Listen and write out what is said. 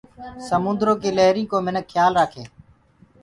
سموندرو ڪي لهرينٚ ڪو مِنک کيآل رآکينٚ۔